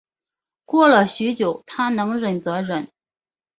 过了许久她能忍则忍